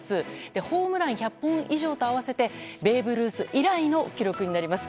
ホームラン１００本以上と合わせてベーブ・ルース以来の記録になります。